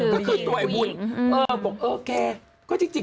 ก็คือตัวไอ้วุ้นเออบอกเออแก